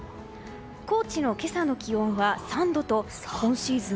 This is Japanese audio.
高知の今朝の気温は３度と今シーズン